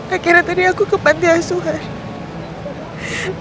akhirnya tadi aku ke pantai asuhan